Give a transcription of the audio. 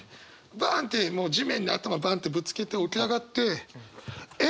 バンってもう地面に頭バンってぶつけて起き上がって。